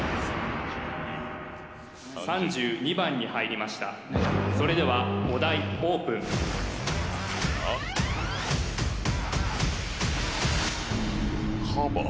３２番に入りましたそれではお題オープンカバー？